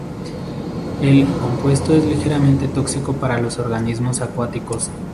El compuesto es ligeramente tóxico para los organismos acuáticos.